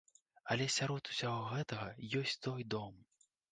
Але сярод усяго гэтага ёсць той дом!